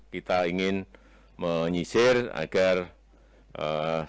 kita ingin menyisir agar ee